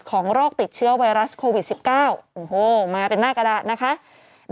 ของโรคติดเชื้อไวรัสโควิด๑๙